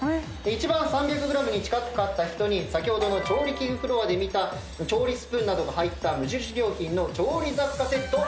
一番３００ｇに近かった人に先ほどの調理器具フロアで見た調理スプーンなどが入った無印良品の調理雑貨セットをプレゼントいたします。